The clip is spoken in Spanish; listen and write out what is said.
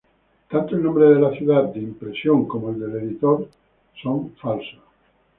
Tanto el nombre de la ciudad de impresión, como el del editor, son falsos.